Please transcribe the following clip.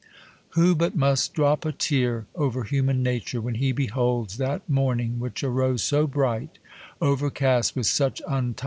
Who but must drop a tear over human nature, when he beholds that morning which arose so bright, overcast with such untii?